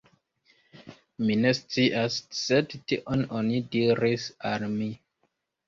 Mi ne scias, sed tion oni diris al mi.